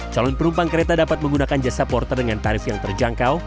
calon penumpang kereta dapat menggunakan jasa porter dengan tarif yang terjangkau